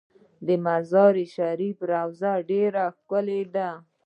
د مزار شریف روضه ډیره ښکلې ده